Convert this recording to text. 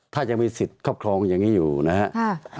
ถ้ายังมีสิทธิ์ครอบครองอย่างนี้อยู่นะครับ